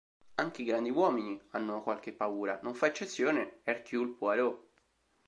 Anche i grandi uomini hanno qualche paura, non fa eccezione Hercule Poirot.